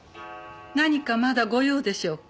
何かまだご用でしょうか？